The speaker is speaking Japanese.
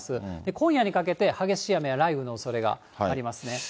今夜にかけて激しい雨や雷雨のおそれがありますね。